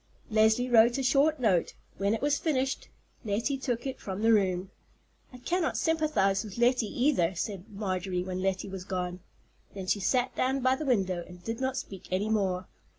Leslie wrote a short note. When it was finished, Lettie took it from the room. "I cannot sympathize with Lettie either," said Marjorie when Lettie had gone. Then she sat down by the window, and did not speak any more.